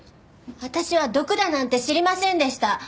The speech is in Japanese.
私は毒だなんて知りませんでした。